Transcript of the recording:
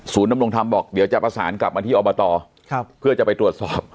นำรงธรรมบอกเดี๋ยวจะประสานกลับมาที่อบตเพื่อจะไปตรวจสอบ